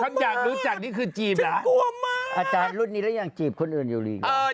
มันอยากรู้จักนี้คือจีบเหรอ